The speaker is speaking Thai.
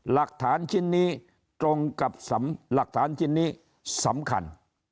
หลักฐานชิ้นนี้ตรงกับหลักฐานชิ้นนี้สำคัญ